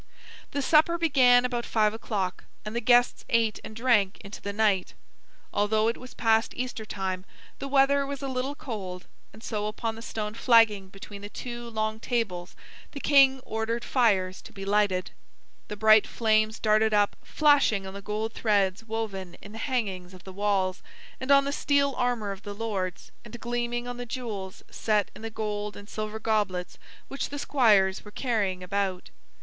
The supper began about five o'clock, and the guests ate and drank into the night. Although it was past Easter time, the weather was a little cold, and so upon the stone flagging between the two long tables the king ordered fires to be lighted. The bright flames darted up, flashing on the gold threads woven in the hangings of the walls, and on the steel armor of the lords, and gleaming on the jewels set in the gold and silver goblets which the squires were carrying about.